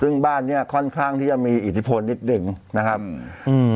ซึ่งบ้านเนี้ยค่อนข้างที่จะมีอิทธิพลนิดหนึ่งนะครับอืมอืม